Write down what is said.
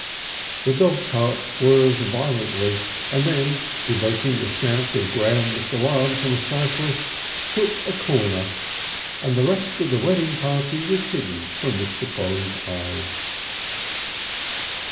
The dog cart swerved violently, and then, evoking a shout of groundless alarm from a cyclist, took a corner, and the rest of the wedding party was hidden from Mr. Polly's eyes.